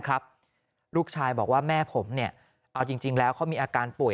ครับลูกชายบอกว่าแม่ผมเนี่ยเอาจริงแล้วเขามีอาการป่วย